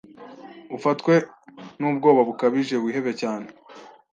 ufatwe n’ubwoba bukabije wihebe cyane